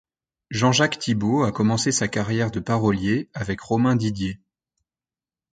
Jean-Jacques Thibaud a commencé sa carrière de parolier avec Romain Didier.